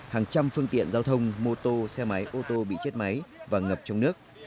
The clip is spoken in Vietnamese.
hàng trăm phương tiện giao thông mô tô xe máy ô tô bị chết máy và ngập trong nước